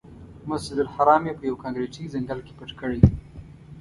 مسجدالحرام یې په یوه کانکریټي ځنګل کې پټ کړی.